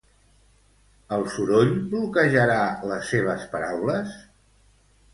El soroll bloquejarà les seves paraules?